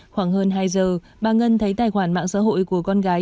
khoảng hơn hai giờ bà ngân thấy tài khoản mạng xã hội của con gái